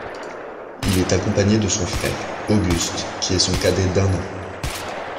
Il est accompagné de son frère, Auguste, qui est son cadet d'un an.